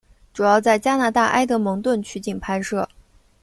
主要在加拿大埃德蒙顿取景拍摄。